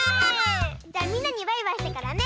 じゃみんなにバイバイしてからね。